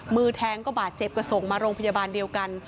มือแทงก็บาดเจ็บก็ส่งมาโรงพยาบาลเดียวกัน